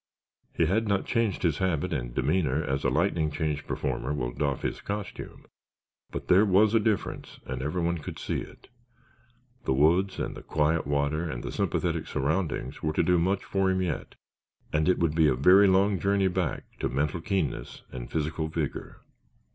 He had not changed his habit and demeanor as a lightning change performer will doff his costume, but there was a difference and everyone could see it. The woods and the quiet water and the sympathetic surroundings were to do much for him yet and it would be a long journey back to mental keenness and physical vigor.